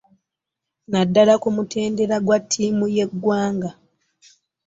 Naddala ku mutendera gwa ttiimu y'eggwanga